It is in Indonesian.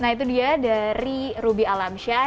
nah itu dia dari ruby alamsyah